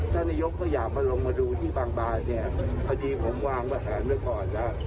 ถ้าลงมาดูที่บางบ้านเนี่ยพอดีผมวางประแสเมื่อก่อนแล้ว